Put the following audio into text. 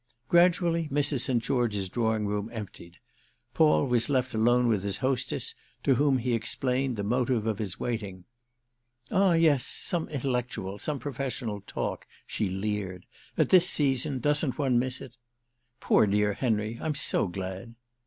Gradually Mrs. St. George's drawing room emptied itself; Paul was left alone with his hostess, to whom he explained the motive of his waiting. "Ah yes, some intellectual, some professional, talk," she leered; "at this season doesn't one miss it? Poor dear Henry, I'm so glad!"